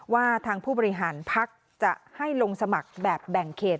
ว่าทางผู้บริหารพักจะให้ลงสมัครแบบแบ่งเขต